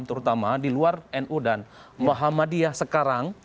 terutama di luar nu dan muhammadiyah sekarang